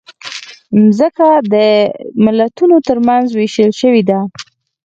مځکه د ملتونو ترمنځ وېشل شوې ده.